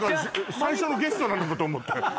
最初のゲストなのかと思って。